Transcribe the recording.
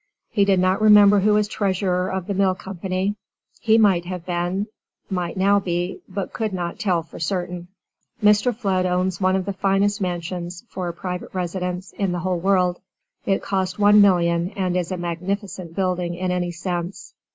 He did not remember who was treasurer of the mill company; he might have been, might now be, but could not tell for certain." Mr. Flood owns one of the finest mansions, for a private residence, in the whole world. It cost one million, and is a magnificent building in any sense.